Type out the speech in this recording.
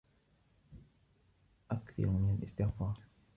أكثروا من الاستغفار